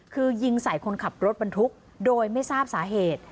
คือยิงใส่คนขับรถบรรทุกโดยไม่ทราบสาเหตุ